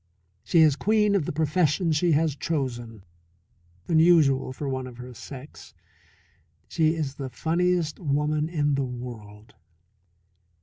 She is queen of the profession she has chosen unusual for one of her sex. She is the funniest woman in the world.